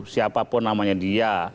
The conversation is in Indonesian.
siapapun namanya dia